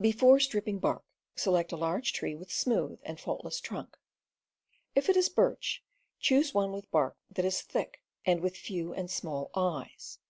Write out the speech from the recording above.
Before stripping bark, select a large tree with smoothe and faultless trunk. If it is birch, choose one with bark that is thick and with few and small "eyes."